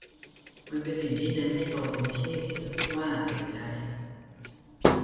มันเป็นสิ่งที่ยังไม่โตเต็มที่ที่จะพูดว่าเสียใจ